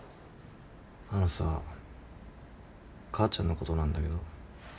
あのさ母ちゃんのことなんだけど。